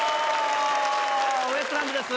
ウエストランドです